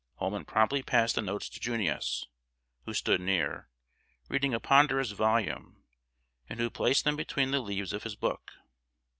Holman promptly passed the notes to "Junius," who stood near, reading a ponderous volume, and who placed them between the leaves of his book.